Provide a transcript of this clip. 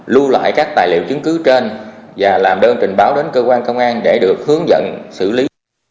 lưu lại các tài liệu chứng cứ trên và làm đơn trình báo đến cơ quan công an để được hướng dẫn xử lý